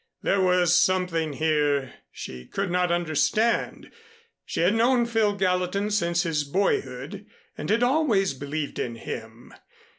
There was something here she could not understand. She had known Phil Gallatin since his boyhood and had always believed in him.